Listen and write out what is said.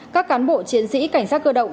các cán bộ chiến sĩ cảnh sát cơ động